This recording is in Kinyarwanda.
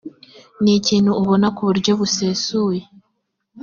ni ikintu ubona ku buryo busesuye